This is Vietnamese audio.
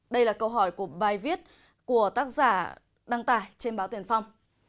đây là câu hỏi của bài viết của tác giả đăng tải trên báo tiền phong